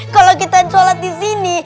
kalau kita sholat di sini